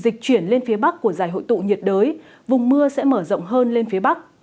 dịch chuyển lên phía bắc của giải hội tụ nhiệt đới vùng mưa sẽ mở rộng hơn lên phía bắc